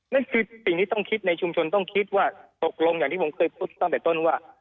นั่นคือสิ่งที่ต้องคิดในชุมชนต้องคิดว่าตกลงอย่างที่ผมเคยพูดตั้งแต่ต้นว่า